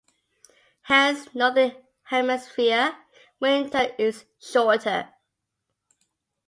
Hence, northern hemisphere winter is shorter.